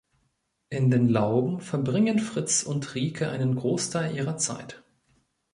In den Lauben verbringen Fritz und Rieke einen Großteil ihrer Zeit.